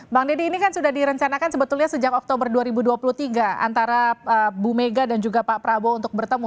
bang deddy ini kan sudah direncanakan sebetulnya sejak oktober dua ribu dua puluh tiga antara bu mega dan juga pak prabowo untuk bertemu